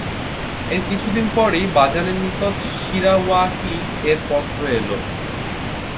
এর কিছুদিন পরই বাযানের নিকট শিরাওয়াইহি এর পত্র এল।